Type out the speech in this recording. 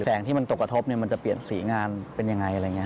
แสงที่มันตกกระทบมันจะเปลี่ยนสีงานเป็นอย่างไร